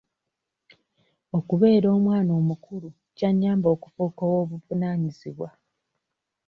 Okubeera omwana omukulu kya nnyamba okufuuka ow'obuvunaanyizibwa.